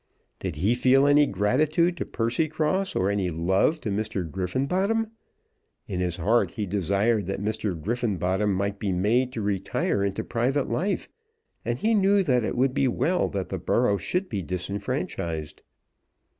Did he feel any gratitude to Percycross or any love to Mr. Griffenbottom? In his heart he desired that Mr. Griffenbottom might be made to retire into private life, and he knew that it would be well that the borough should be disfranchised.